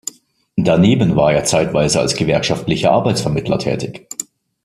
Daneben war er zeitweise als gewerkschaftlicher Arbeitsvermittler tätig.